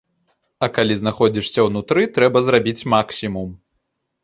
А калі знаходзішся ўнутры, трэба зрабіць максімум.